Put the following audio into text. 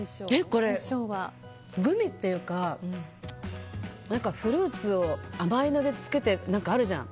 これ、グミっていうかフルーツを甘いのでつけて何か、あるじゃん。